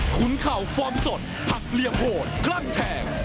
ขุนเข่าฟอร์มสดหักเหลี่ยมโหดคลั่งแทง